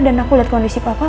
dan aku liat kondisi papa